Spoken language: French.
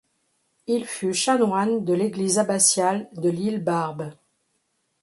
Il fut chanoine de l'église abbatiale de l'Île Barbe.